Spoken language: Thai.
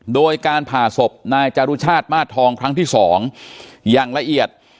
โดยการผ่าศพนายจารุชาติมาสทองครั้งที่๒อย่างละเอียด